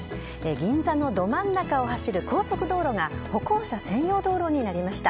銀座のど真ん中を走る高速道路が歩行者専用道路になりました。